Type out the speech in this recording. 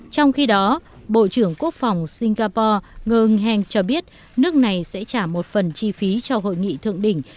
trong khi đó bộ trưởng quốc phòng singapore ngưng heng cho biết nước này sẽ trả một phần chi phí cho hội nghị thượng đỉnh